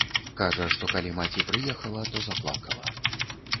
Кажа, што калі маці прыехала, то заплакала.